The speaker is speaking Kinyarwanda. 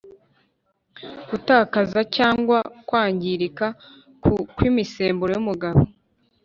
Gutakaza cyangwa kwangirika ku kw’imisemburo y’umugabo